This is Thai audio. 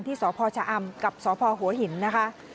ที่สพชะอำกับสพหัวหินนะคะ